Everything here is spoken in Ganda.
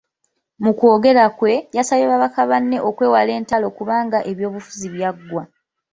Mu kwogera kwe, yasabye babaka banne okwewala entalo kubanga ebyobufuzi byaggwa.